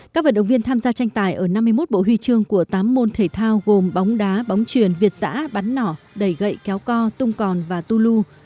các vận động viên tham gia tranh tài ở năm mươi một bộ huy chương của tám môn thể thao gồm bóng đá bóng truyền việt giã bắn nỏ đẩy gậy kéo co tung còn và tu lưu